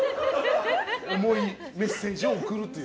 重いメッセージを送るという。